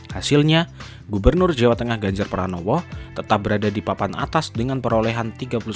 hasilnya gubernur jawa tengah ganjar pranowo tetap berada di papan atas dengan perolehan tiga puluh sembilan